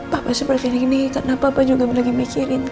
papa seperti ini karena papa juga lagi mikirin kan